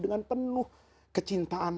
dengan penuh kecintaan